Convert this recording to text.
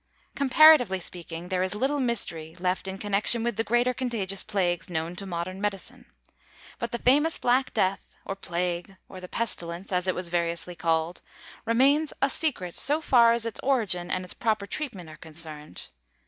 Comparatively speaking, there is little mystery left in connection with the greater contagious plagues known to modern medicine. But the famous Black Death, or Plague, or the Pestilence, as it is variously called, remains a secret so far as its origin and its proper treatment are concerned.